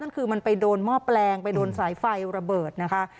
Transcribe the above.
มันคือมันไปโดนหม้อแปลงไปโดนสายไฟระเบิดนะคะ